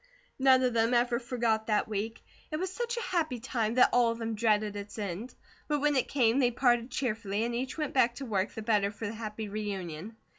None of them ever forgot that week. It was such a happy time that all of them dreaded its end; but when it came they parted cheerfully, and each went back to work, the better for the happy reunion.